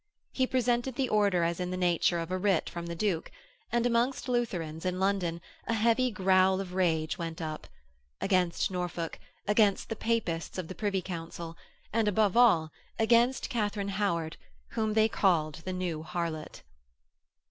He presented the order as in the nature of a writ from the Duke, and amongst Lutherans in London a heavy growl of rage went up against Norfolk, against the Papists of the Privy Council, and, above all, against Katharine Howard, whom they called the New Harlot.